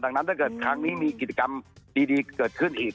ดังนั้นถ้าเกิดครั้งนี้มีกิจกรรมดีเกิดขึ้นอีก